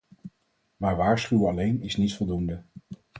Maar waarschuwen alleen is niet voldoende.